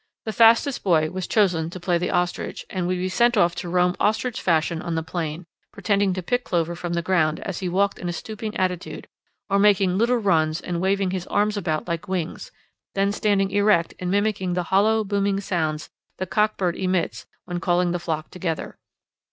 The fastest boy was chosen to play the ostrich, and would be sent off to roam ostrich fashion on the plain, pretending to pick clover from the ground as he walked in a stooping attitude, or making little runs and waving his arms about like wings, then standing erect and mimicking the hollow booming sounds the cock bird emits when calling the flock together.